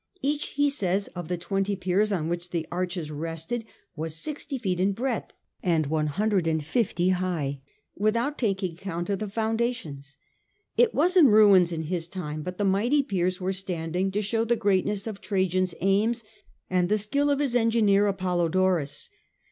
Each, he says, of the twenty piers on which the arches rested was 6o feet in breadth and 150 high, without taking count of the foundations. It was in ruins in his time ; but the mighty piers were standing to show the greatness of Trajan's aims and the skill of his engineer Apollodorus.